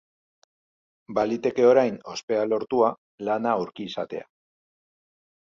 Baliteke orain, ospea lortua, lana aurki izatea.